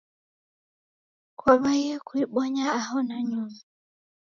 Kwaw'aie kuibonya aho nanyuma?